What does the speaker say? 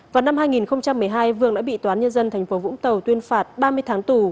vào năm hai nghìn một mươi hai vương đã bị toán nhân dân tp vũng tàu tuyên phạt ba mươi tháng tù